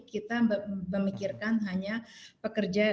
kita memikirkan hanya pekerja